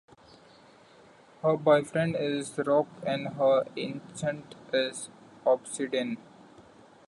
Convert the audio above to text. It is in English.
Her boyfriend is Rock and her Ancient is Obsidian.